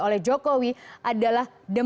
oleh jokowi adalah demi bangsa indonesia